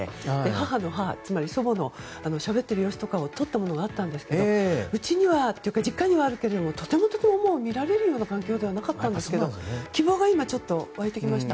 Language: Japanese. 母の母、つまり祖母のしゃべっている様子を撮ったものがあったんですが実家にあるけれどもとてもとても見られるような環境ではなかったですが希望が今、ちょっと湧いてきました。